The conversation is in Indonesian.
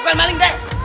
bukan maling kak